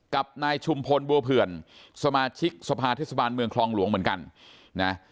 กับนายชุมพลบัวเผื่อนสมาชิกสภาเทศบาลเมืองคลองหลวงเหมือนกันนะ